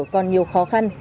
còn nhiều khó khăn